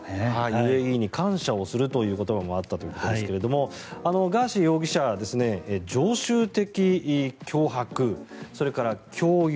ＵＡＥに感謝をするという言葉もあったということですがガーシー容疑者は常習的脅迫、それから強要